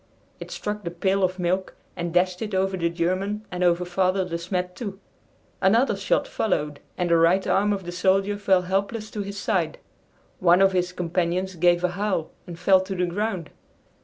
It struck the pail of milk and dashed it over the German and over Father De Smet too. Another shot followed, and the right arm of the soldier fell helpless to his side. One of his companions gave a howl and fell to the ground.